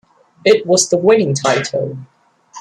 It was the winning title.